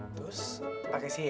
terus pakai sihir